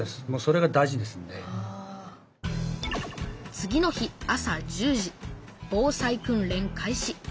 次の日朝１０時防災訓練開始。